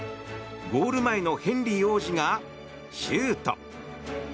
ゴール前のヘンリー王子がシュート！